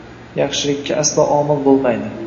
yaxshilikka aslo omil bo‘lmaydi.